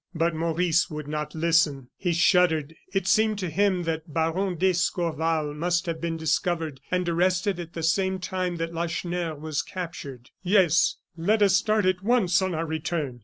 But Maurice would not listen. He shuddered. It seemed to him that Baron d'Escorval must have been discovered and arrested at the same time that Lacheneur was captured. "Yes, let us start at once on our return!"